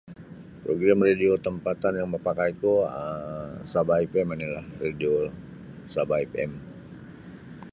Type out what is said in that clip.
Program radio tampatan yang mapakaiku um Sabah FM onilah radio Sabah FM.